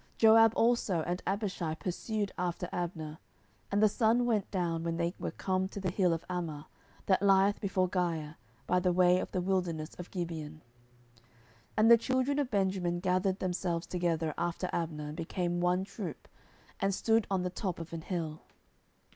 10:002:024 Joab also and Abishai pursued after Abner: and the sun went down when they were come to the hill of Ammah, that lieth before Giah by the way of the wilderness of Gibeon. 10:002:025 And the children of Benjamin gathered themselves together after Abner, and became one troop, and stood on the top of an hill.